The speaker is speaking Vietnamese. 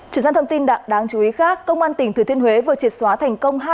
chuyển sang thông tin đáng chú ý khác công an tỉnh thừa thiên huế vừa triệt xóa thành công